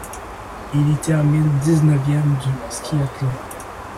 Il y termine dix-neuvième du skiathlon.